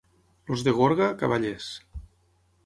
Els de Gorga, cavallers.